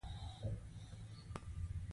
لرګي سوخت ته کارېږي.